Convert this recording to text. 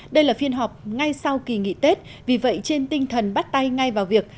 đây là phiên họp ngay sau kỳ nghỉ tết vì vậy trên tinh thần bắt tay ngay vào việc